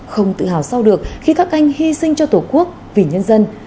không tự hào sau được khi các anh hy sinh cho tổ quốc vì nhân dân